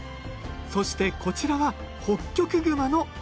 そしてこちらはホッキョクグマの赤ちゃん。